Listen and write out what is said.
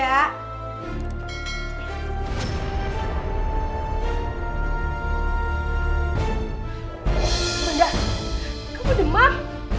amanda kamu demam